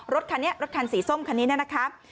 รถคันนี้รถคันสีส้มคันนี้นะครับ